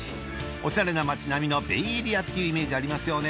オシャレな街並みのベイエリアっていうイメージありますよね